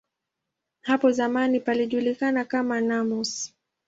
Hapo zamani palijulikana kama "Nemours".